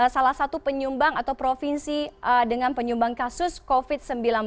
salah satu penyumbang atau provinsi dengan penyumbang kasus covid sembilan belas